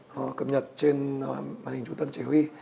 nó cập nhật trên màn hình trung tâm chế huy